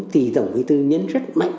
thì tổng phí thư nhấn rất mạnh